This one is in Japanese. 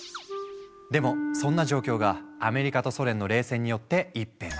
でもそんな状況がアメリカとソ連の冷戦によって一変。